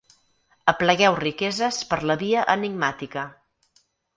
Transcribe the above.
Aplegueu riqueses per la via enigmàtica.